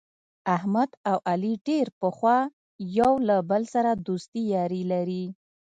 احمد او علي ډېر پخوا یو له بل سره دوستي یاري لري.